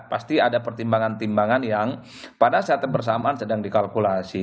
pasti ada pertimbangan timbangan yang pada saat bersamaan sedang dikalkulasi